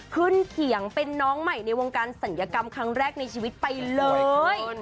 เขียงเป็นน้องใหม่ในวงการศัลยกรรมครั้งแรกในชีวิตไปเลย